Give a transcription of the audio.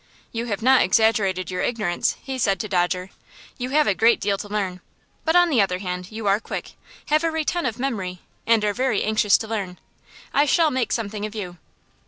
"You have not exaggerated your ignorance," he said to Dodger. "You have a great deal to learn, but on the other hand you are quick, have a retentive memory, and are very anxious to learn. I shall make something of you."